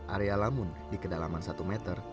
area lamun di kedalaman satu meter